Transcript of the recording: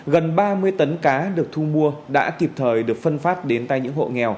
gần ba mươi tấn cá được thu mua đã kịp thời được phân phát đến tay những hộ nghèo